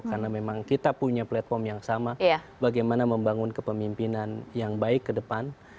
karena memang kita punya platform yang sama bagaimana membangun kepemimpinan yang baik ke depan